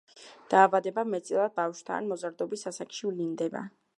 დაავადება მეტწილად ბავშვთა ან მოზარდობის ასაკში ვლინდება.